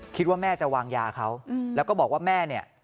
คิดว่าแม่จะวางยาเขาแล้วก็บอกว่าแม่เนี่ย